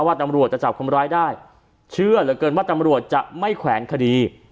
ว่าตำรวจจะจับคนร้ายได้เชื่อเหลือเกินว่าตำรวจจะไม่แขวนคดี